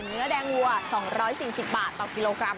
เนื้อแดงวัว๒๔๐บาทต่อกิโลกรัม